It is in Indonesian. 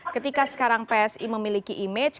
ketika sekarang psi memiliki image